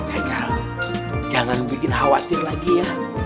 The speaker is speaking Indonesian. agar jangan bikin khawatir lagi ya